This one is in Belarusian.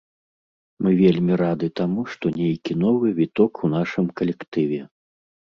Мы вельмі рады таму, што нейкі новы віток у нашым калектыве.